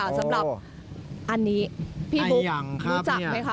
อันนี้ปลูกพี่พี่พูจักไหมคะ